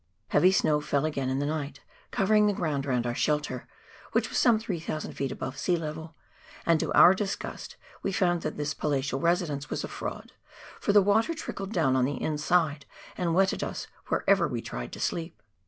Heavy snow fell again in the night, covering the ground round our shelter, which was some 3,000 ft. above sea level ; and to our disgust we found that this palatial residence was a fraud, for the water trickled down on the inside and wetted us wherever we tried to sleep.